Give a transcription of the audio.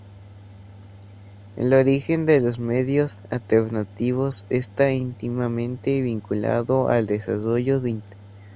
El origen de los medios alternativos está íntimamente vinculado al desarrollo de Internet.